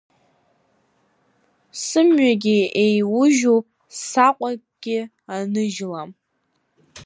Сымҩагьы еиужьуп, саҟәакгьы аныжьлам.